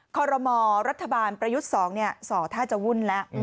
ขอรมอรัฐบาลประยุทธ์สองเนี่ยสอท่าจะวุ่นแล้ว